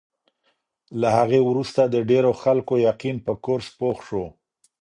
له هغې وروسته د ډېرو خلکو یقین په کورس پوخ شو.